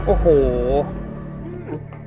โอ้โห